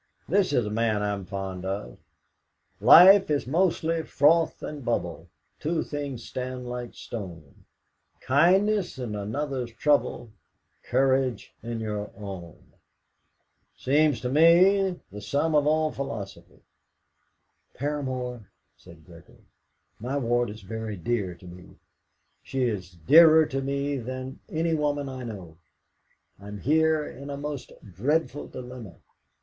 "This is a man I'm fond of: "'Life is mostly froth and bubble; Two things stand like stone KINDNESS in another's trouble, COURAGE in your own.' "That seems to me the sum of all philosophy." "Paramor," said Gregory, "my ward is very dear to me; she is dearer to me than any woman I know. I am here in a most dreadful dilemma.